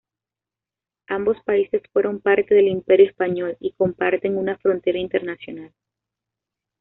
Ambos países fueron parte del Imperio español, y comparten una frontera internacional.